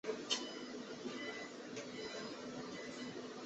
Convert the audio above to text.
下面是文件压缩软件的不完全列表。